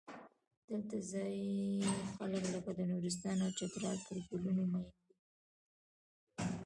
دلته ځايي خلک لکه د نورستان او چترال پر ګلونو مین دي.